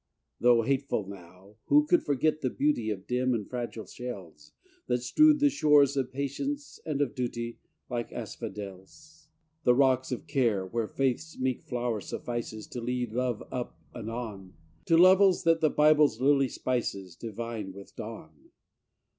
Though hateful now, who could forget the beauty Of dim and fragile shells, That strewed the shores of Patience and of Duty Like asphodels? The rocks of Care, where Faith's meek flow'r suffices To lead Love up and on, To levels, that the Bible's lily spices, Divine with dawn?